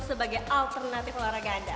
sebagai alternatif olahraga anda